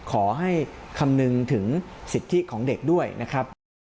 ขอให้คำนึงถึงสิทธิของเด็กด้วยนะครับ